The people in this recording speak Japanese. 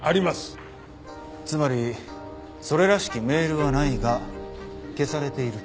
つまりそれらしきメールはないが消されていると？